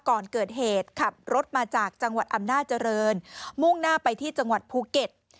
ก่อนเกิดเหตุขับรถมาจากจังหวัดอำนาจเจริญมุ่งหน้าไปที่จังหวัดภูเก็ต